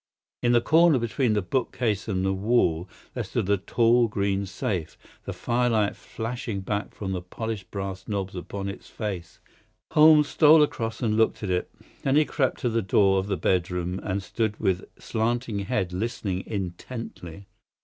In the corner between the bookcase and the wall there stood a tall green safe, the firelight flashing back from the polished brass knobs upon its face. Holmes stole across and looked at it. Then he crept to the door of the bedroom, and stood with slanting head listening intently.